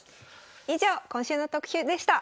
以上今週の特集でした。